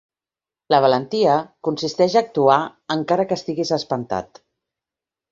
La valentia consisteix a actuar encara que estiguis espantat.